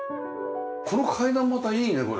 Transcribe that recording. この階段もまたいいねこれ。